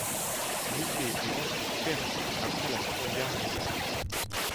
L’épée est ensuite perdue après la seconde guerre mondiale.